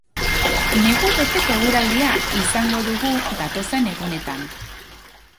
Negu beteko eguraldia izango dugu datozen egunetan.